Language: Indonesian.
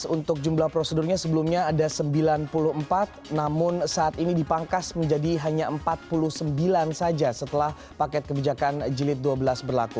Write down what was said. untuk jumlah prosedurnya sebelumnya ada sembilan puluh empat namun saat ini dipangkas menjadi hanya empat puluh sembilan saja setelah paket kebijakan jilid dua belas berlaku